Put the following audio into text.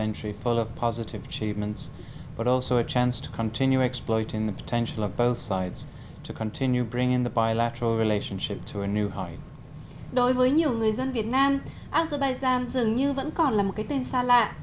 nhiều người dân việt nam azerbaijan dường như vẫn còn là một cái tên xa lạ